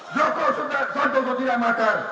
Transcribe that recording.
joko santoso tidak makar